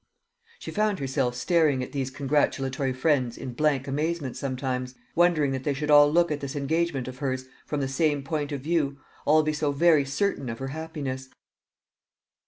She found herself staring at these congratulatory friends in blank amazement sometimes, wondering that they should all look at this engagement of hers from the same point of view, all be so very certain of her happiness.